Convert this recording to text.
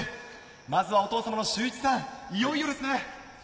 まずはお父様の秀一さん、いよいよですね。